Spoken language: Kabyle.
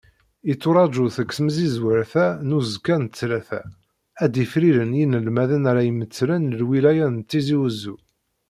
Yetturaǧu seg temsizwert-a n uzekka n ttlata, ad d-ifriren yinelmaden ara imetlen lwilaya n Tizi Uzzu.